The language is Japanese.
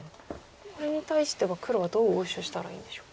これに対しては黒はどう応手したらいいんでしょう。